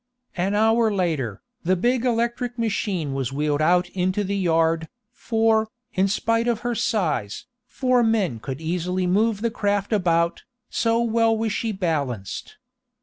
An hour later, the big electric machine was wheeled out into the yard, for, in spite of her size, four men could easily move the craft about, so well was she balanced.